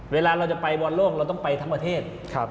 เวลาเราจะไปบอลโลกเราต้องไปทั้งประเทศ